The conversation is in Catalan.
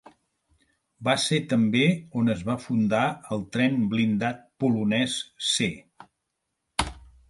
Va ser també on es va fundar el tren blindat polonès C.